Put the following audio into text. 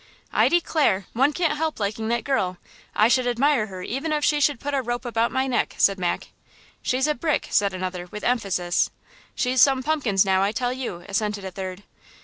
"I declare, one can't help liking that girl! I should admire her even if she should put a rope about my neck!" said Mac. "She's a brick!" said another, with emphasis. "She's some pumpkins, now, I tell you!" assented a third.